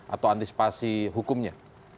atau antisipasi hukumnya